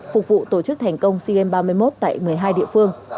phục vụ tổ chức thành công sea games ba mươi một tại một mươi hai địa phương